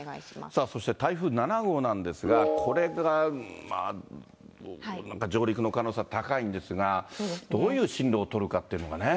さあそして台風７号なんですが、これがまあ、なんか上陸の可能性が高いんですが、どういう進路を取るかっていうのがね。